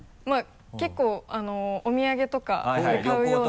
結構お土産とかで買うような。